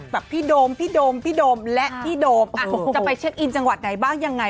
แบบพี่โดมพี่โดมพี่โดมและพี่โดมจะไปเช็คอินจังหวัดไหนบ้างยังไง